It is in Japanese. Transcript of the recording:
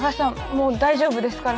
もう大丈夫ですから。